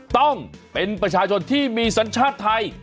ต้องเป็นประชาชนที่มีสัญชาติไทย